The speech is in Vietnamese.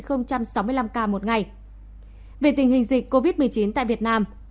về tình hình dịch covid một mươi chín tại việt nam